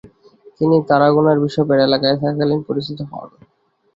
তিনি তারাগোনার বিশপের এলাকায় থাকাকালীন পরিচিত হন।